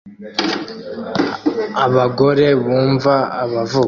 Abagore bumva abavuga